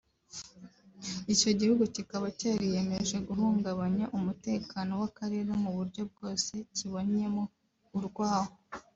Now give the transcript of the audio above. icyo gihugu kikaba cyariyemeje guhungabanya umutekano w’akarere mu buryo bwose kibonyemo urwaho